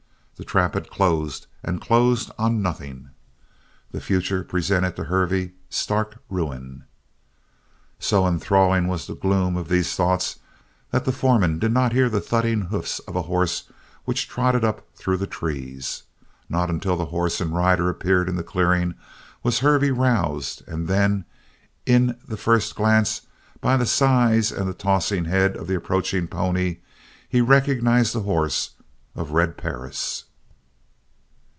The trap had closed and closed on nothing. The future presented to Hervey stark ruin. So enthralling was the gloom of these thoughts that the foreman did not hear the thudding hoofs of a horse which trotted up through the trees. Not until horse and rider appeared in the clearing was Hervey roused and then in the first glance by the size and the tossing head of the approaching pony, he recognized the horse of Red Perris!